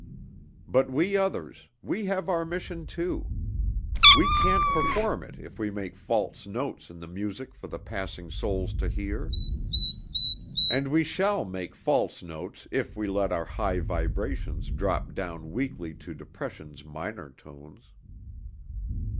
But we others, we have our mission too. We can't perform it if we make false notes in the music for the passing souls to hear. And we shall make false notes if we let our high vibrations drop down weakly to depression's minor tones.